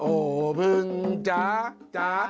โอ้เพิ่งจ๊ะจ๊ะ